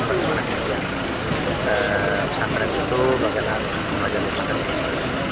bagi penyelenggaraan pesantren itu bagi penyelenggaraan pesantren itu